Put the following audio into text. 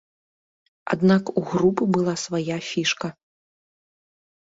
Аднак у групы была свая фішка.